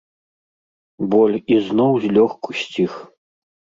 Боль ізноў злёгку сціх.